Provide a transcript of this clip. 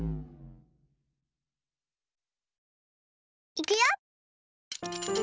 いくよ！